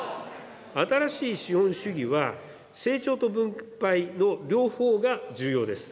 新しい資本主義は成長と分配の両方が重要です。